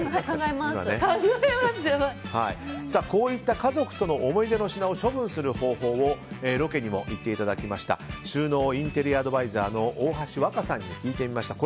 こういった家族との思い出の品を処分する方法をロケにも行っていただきました収納インテリアアドバイザーの大橋わかさんに聞いてみました。